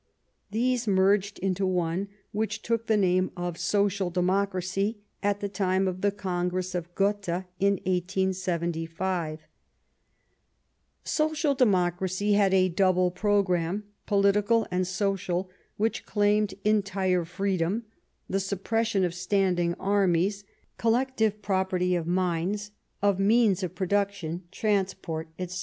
These merged into one, which took the name of Social Democracy at the time of the Congress of Gotha in 1875. Social 207 Bismarck Democracy had a double programme, political and social, which claimed entire freedom, the suppres sion of standing armies, collective property of mines, of means of production, transport, etc.